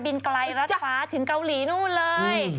ไกลรัดฟ้าถึงเกาหลีนู่นเลย